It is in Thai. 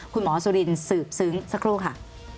คุณหมอสุรินศ์สืบซึ้งสักครู่ค่ะ